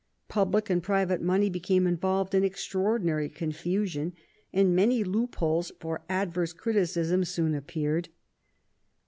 Public and private money became involved in extraordinary con fusion, and many loopholes for adverse criticism soon appeared.